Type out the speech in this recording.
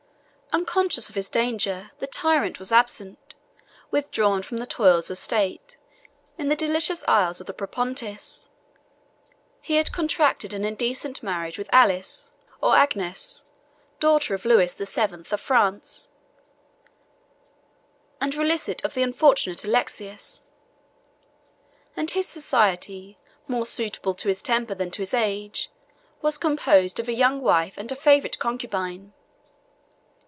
Unconscious of his danger, the tyrant was absent; withdrawn from the toils of state, in the delicious islands of the Propontis. He had contracted an indecent marriage with Alice, or Agnes, daughter of Lewis the Seventh, of France, and relict of the unfortunate Alexius; and his society, more suitable to his temper than to his age, was composed of a young wife and a favorite concubine.